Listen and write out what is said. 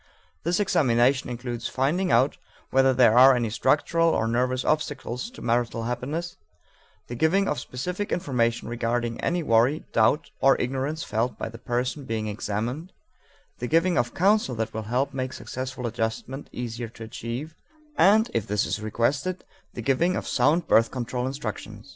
This examination includes finding out whether there are any structural or nervous obstacles to marital happiness, the giving of specific information regarding any worry, doubt, or ignorance felt by the person being examined, the giving of counsel that will help make successful adjustment easier to achieve, and, if this is requested, the giving of sound birth control instruction.